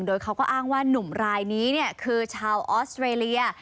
โดยเขาก็อ้างว่านุ่มรายนี้คือชาวออสเตรเลีย